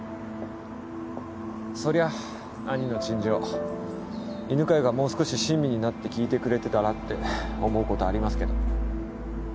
そりゃ兄の陳情犬飼がもう少し親身になって聞いてくれてたらって思うことはありますけど。